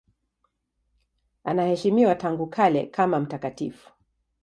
Anaheshimiwa tangu kale kama mtakatifu.